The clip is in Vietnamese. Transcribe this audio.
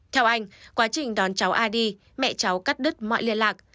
theo anh quá trình đón cháu a đi mẹ cháu cắt đứt mọi liên lạc